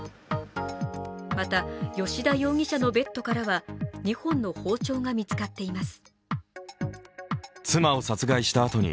また、吉田容疑者のベッドからは２本の包丁が見つかっています。